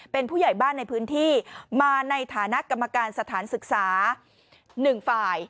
เป็นผู้ใหญ่บ้านในพื้นที่มาในฐานะกรรมการสถานศึกษา๑ฝ่าย